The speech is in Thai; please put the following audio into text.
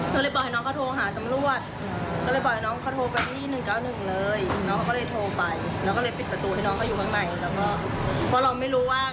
เพราะเราไม่รู้ว่าคนร้ายเป็นใครเป็นใบรุ่น